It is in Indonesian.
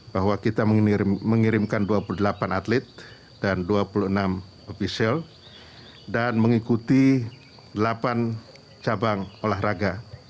bahwa kita mengirimkan dua puluh delapan atlet dan dua puluh enam ofisial dan mengikuti delapan cabang olahraga